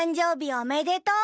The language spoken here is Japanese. おめでとう！